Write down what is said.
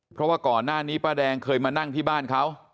เพราะว่าก่อนหน้านี้ป้าแดงเคยมานั่งที่บ้านเขา